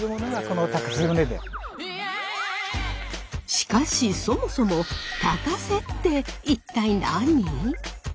しかしそもそも高瀬って一体何？